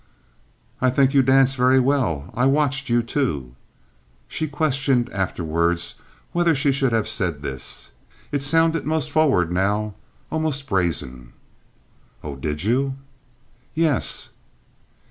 "I think you dance very well. I watched you, too." She questioned afterwards whether she should have said this. It sounded most forward now—almost brazen. "Oh, did you?" "Yes."